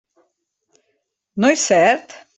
No és cert?